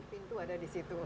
pintu ada di situ